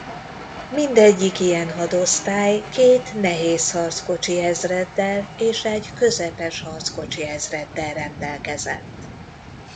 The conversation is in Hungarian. Mindegyik ilyen hadosztály két nehézharckocsi-ezreddel és egy közepesharckocsi-ezreddel rendelkezett.